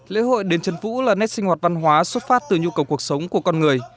lễ hội đền trấn vũ là nét sinh hoạt văn hóa xuất phát từ nhu cầu cuộc sống của con người